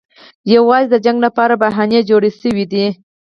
یوازې د جنګ لپاره بهانې جوړې شوې دي.